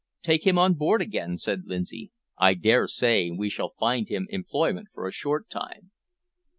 "Take him on board again," said Lindsay. "I daresay we shall find him employment for a short time."